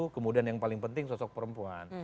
kemudian yang paling penting sosok perempuan